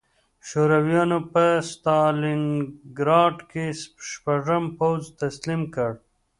شورویانو په ستالینګراډ کې شپږم پوځ تسلیم کړ